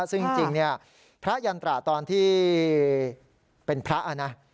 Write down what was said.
ซึ่งจริงจริงเนี่ยพระยันตราตอนที่เป็นพระอ่ะนะ